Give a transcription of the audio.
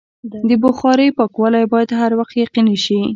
د بخارۍ پاکوالی باید هر وخت یقیني شي.